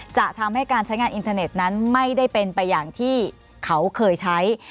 จะทำให้การใช้งานอินเทอร์เน็ตนั้นไม่ได้เป็นไปอย่างที่เขาเคยใช้